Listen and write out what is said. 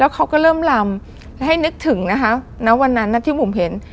เขาก็เริ่มลำให้นึกถึงนะคะณวันนั้นที่บุ๋มเห็น